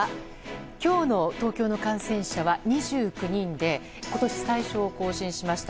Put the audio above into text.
今日の東京の感染者は２９人で今年最少を更新しました。